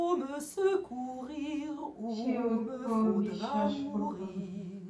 সে ঐক্যে বিশ্বাস করত না।